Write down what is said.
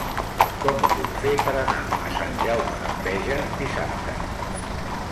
Com ho puc fer per anar a Sant Jaume d'Enveja dissabte?